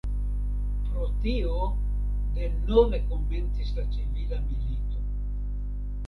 Pro tio denove komencis la civila milito.